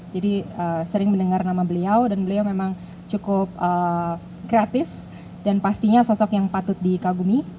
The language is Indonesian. sering mendengar nama beliau dan beliau memang cukup kreatif dan pastinya sosok yang patut dikagumi